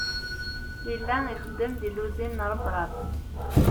Yella ixeddem deg luzin n Rebrab.